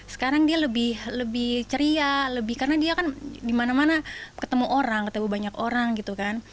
sekarang dia lebih ceria lebih karena dia kan dimana mana ketemu orang ketemu banyak orang gitu kan